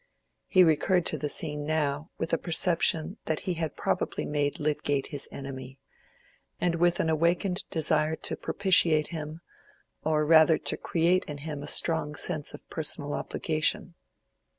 He recurred to the scene now with a perception that he had probably made Lydgate his enemy, and with an awakened desire to propitiate him, or rather to create in him a strong sense of personal obligation.